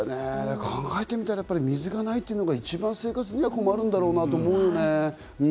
考えてみたら水がないというのが一番生活には困らんだろうなと思うね。